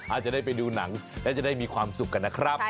อาจจะได้ไปดูหนังแล้วจะได้มีความสุขกันนะครับ